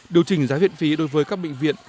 điều chỉnh giá viện phí đối với các bệnh viện